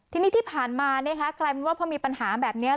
ทีนี้ที่ผ่านมากลายเป็นว่าพอมีปัญหาแบบนี้